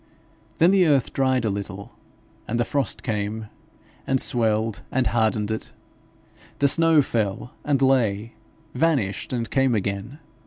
Then the earth dried a little, and the frost came, and swelled and hardened it; the snow fell and lay, vanished and came again.